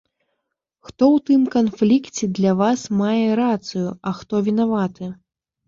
Хто ў тым канфлікце для вас мае рацыю, а хто вінаваты?